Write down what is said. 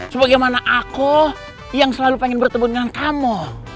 sebagaimana aku yang selalu pengen bertemu dengan kamu